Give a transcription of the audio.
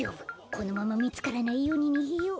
このままみつからないようににげよう。